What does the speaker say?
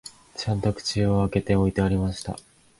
ちゃんと口を開けて置いてありました